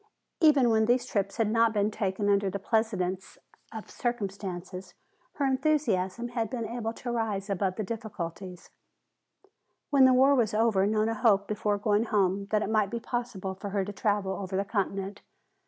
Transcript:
Even when these trips had not been taken under the pleasantest conditions her enthusiasm had been able to rise above the difficulties. When the war was over Nona hoped before going home that it might be possible for her to travel over the continent.